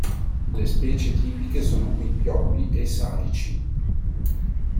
Le specie tipiche sono qui i pioppi e i salici.